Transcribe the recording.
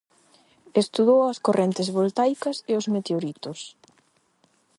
Estudou as correntes voltaicas e os meteoritos.